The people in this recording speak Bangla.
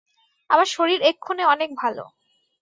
আমার শরীর এক্ষণে অনেক ভাল।